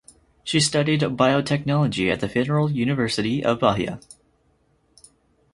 She studied Biotechnology at the Federal University of Bahia.